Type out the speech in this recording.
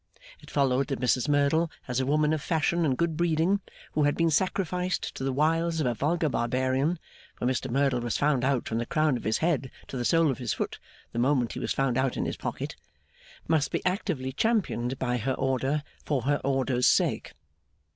It followed that Mrs Merdle, as a woman of fashion and good breeding who had been sacrificed to the wiles of a vulgar barbarian (for Mr Merdle was found out from the crown of his head to the sole of his foot, the moment he was found out in his pocket), must be actively championed by her order for her order's sake.